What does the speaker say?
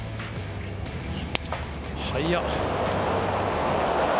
速っ！